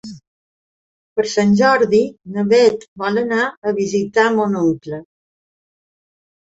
Per Sant Jordi na Beth vol anar a visitar mon oncle.